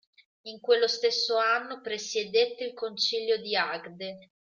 In quello stesso anno presiedette il Concilio di Agde.